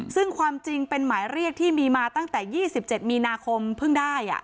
ซึ่งความจริงเป็นหมายเรียกที่มีมาตั้งแต่๒๗มีนาคมเพิ่งได้